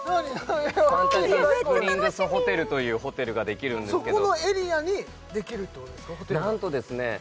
ファンタジースプリングスホテルというホテルがめっちゃ楽しみできるんですけどそこのエリアにできるってことですかなんとですね